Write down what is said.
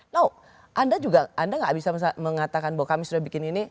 no anda juga anda nggak bisa mengatakan bahwa kami sudah bikin ini